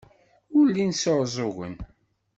Ur llin sɛuẓẓugen.